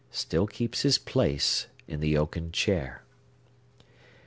—still keeps his place in the oaken chair.